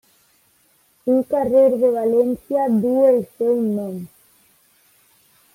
Un carrer de València duu el seu nom.